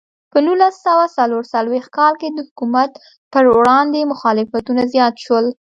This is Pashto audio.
په نولس سوه څلور څلوېښت کال کې د حکومت پر وړاندې مخالفتونه زیات شول.